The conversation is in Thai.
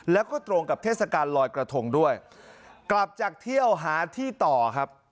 แล้วก็ตรงกับเทศกาลลอยกระทงด้วยกลับจากเที่ยวหาที่ต่อครับ